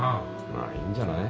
まあいいんじゃない？